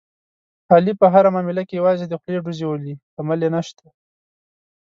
علي په هره معامله کې یوازې د خولې ډوزې ولي، عمل یې نشته.